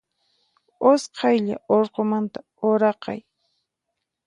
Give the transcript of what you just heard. Usqaylla urqumanta uraqay.